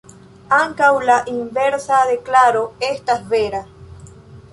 Ankaŭ la inversa deklaro estas vera.